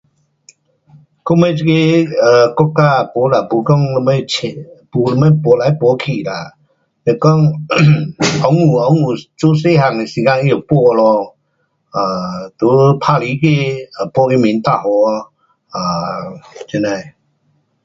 到尾这个 um 国家没啦，没讲什么 um 没什么搬来搬起啦。是讲 um 温故温故做小个的时间它有搬咯，um 在打地基，搬去民达华，um 这那的。